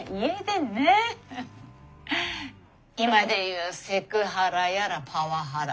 今で言うセクハラやらパワハラ。